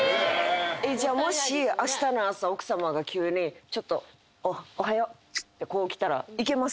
じゃあもしあしたの朝奥さまが急に「おはよう」ってこう来たらいけます？